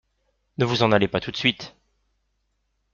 Ne vous en allez pas tout de suite.